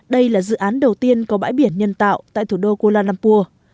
đây là dự án đầu tiên có bãi biển nhân tạo tại thủ đô kuala lumpur